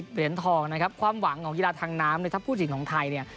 เหรียญทองนะครับความหวังของกีฬาทางน้ำเนี่ยถ้าพูดถึงของไทยเนี่ย